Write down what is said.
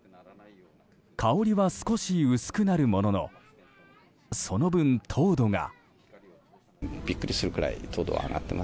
香りは少し薄くなるもののその分、糖度が。